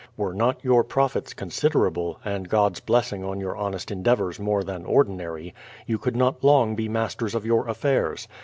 Were not your profits considerable, and God's blessing on your honest en deavours more than ordinary, you could not long be masters of your ^flfairs.